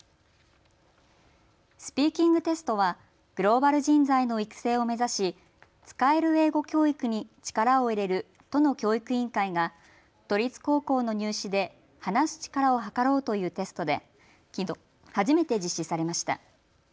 スピーキングテストはグローバル人材の育成を目指し使える英語教育に力を入れる都の教育委員会が都立高校の入試で話す力をはかろうというテストできのう、初めて実施されました。